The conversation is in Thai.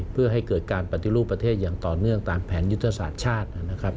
เพื่อให้เกิดการปฏิรูปประเทศอย่างต่อเนื่องตามแผนยุทธศาสตร์ชาตินะครับ